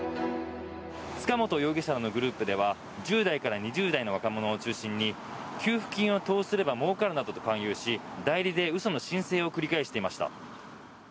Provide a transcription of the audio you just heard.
塚本容疑者らのグループでは１０代から２０代の若者を中心に給付金を投資すればもうかるなどと勧誘し代理で嘘の申請を繰り返していました。